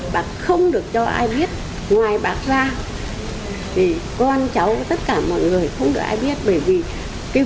bác không được cho ai biết ngoài bác ra thì con cháu với tất cả mọi người không được ai biết bởi vì